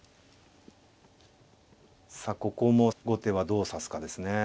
さあここも後手はどう指すかですね。